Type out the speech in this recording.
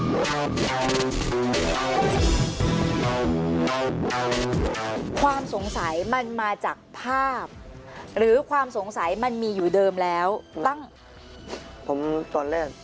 ความสงสัยมันมาจากภาพหรือความสงสัยมันมีอยู่เดิมแล้วตั้งผมตอนแรก